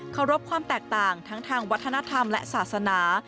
รบความแตกต่างทั้งทางวัฒนธรรมและศาสนา